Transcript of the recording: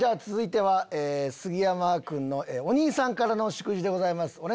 続いて杉山くんのお兄さんからの祝辞でございます。